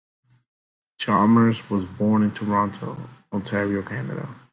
Chalmers was born in Toronto, Ontario, Canada.